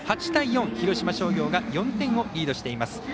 ８対４、広島商業が４点をリードしています。